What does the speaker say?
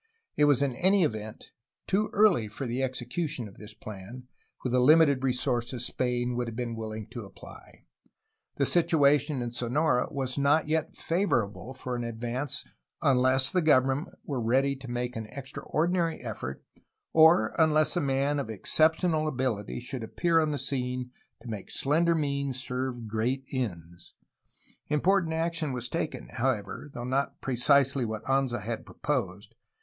It was in any event too early for the execution of this plan, with the limited resources Spain would have been willing to apply; the situation in Sonera was not yet favorable for an advance unless the government were ready to make an extraordinary effort or unless a man of exceptional ability should appear on the scene to make slender means serve great ends. Im portant action was taken, however, though not precisely what Anza had proposed.